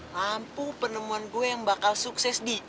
lampu penemuan gue yang bakal sukses di